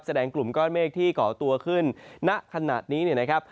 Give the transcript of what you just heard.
แสดงกลุ่มก้อนเมฆที่ก่อตัวขึ้นณขณะนี้นะครับ